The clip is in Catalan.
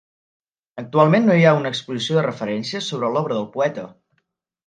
Actualment no hi ha una exposició de referència sobre l'obra del poeta.